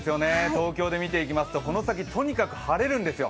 東京で見ていきますと、この先、とにかく晴れるんですよ。